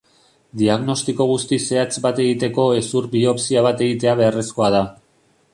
Diagnostiko guztiz zehatz bat egiteko hezur-biopsia bat egitea beharrezkoa da.